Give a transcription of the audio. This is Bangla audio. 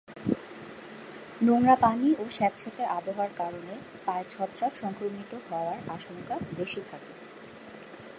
নোংরা পানিও স্যাঁতসেঁতে আবহাওয়ার কারণে পায়ে ছত্রাক সংক্রমিত হওয়ার আশঙ্কা বেশি থাকে।